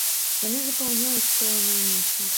Яны запаўняюць пэўную нішу.